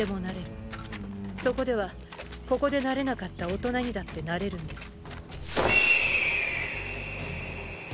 そこではここでなれなかった大人にだってなれるんです。